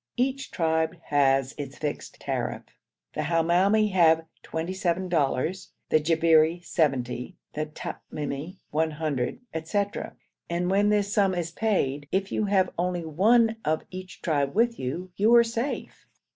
Each tribe has its fixed tariff. The Hamoumi have twenty seven dollars, the Jabberi seventy, the Tamimi one hundred, &c., and when this sum is paid, if you have only one of each tribe with you, you are safe.